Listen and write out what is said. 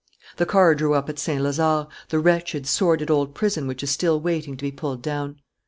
The car drew up at Saint Lazare, the wretched, sordid old prison which is still waiting to be pulled down.